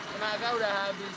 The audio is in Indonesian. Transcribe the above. renakan udah habis